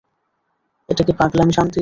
এটা কি পাগলামি শান্তি?